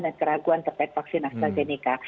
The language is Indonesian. dan keraguan terhadap vaksin astrazeneca